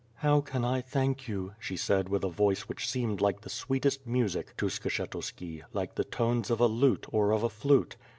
"How can I thank you," she said with a voice which seemed like the sweetest music to Skshetuski, like the tones of a lute, or of a flute.